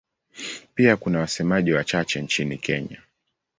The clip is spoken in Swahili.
Pia kuna wasemaji wachache nchini Kenya.